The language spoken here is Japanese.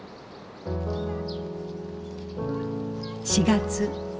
４月。